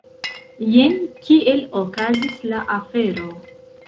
Jen kiel okazis la afero!